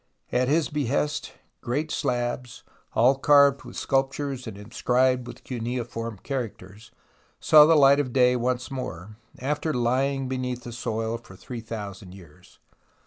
At his behest great slabs all carved with sculptures and inscribed with cuneiform characters saw the light of day once more, after lying beneath the 134 THE ROMANCE OF EXCAVATION soil for three thousand years.